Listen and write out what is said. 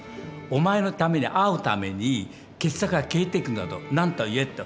お前のために会うために傑作が消えていくんだと何とか言えと。